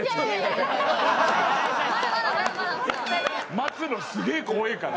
待つのすげえ怖えから。